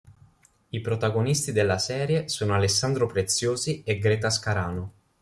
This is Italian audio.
I protagonisti della serie sono Alessandro Preziosi e Greta Scarano.